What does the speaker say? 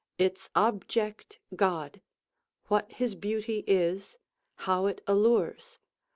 Its object God; what his beauty is; How it allures.